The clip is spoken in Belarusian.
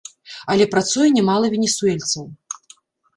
Але працуе нямала венесуэльцаў.